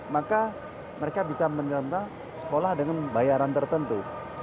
maka mereka bisa menerima sekolah dengan bayaran tertentu